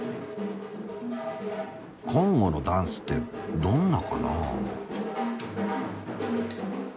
コンゴのダンスってどんなかな？